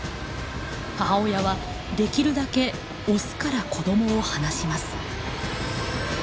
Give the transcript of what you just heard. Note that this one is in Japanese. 母親はできるだけオスから子どもを離します。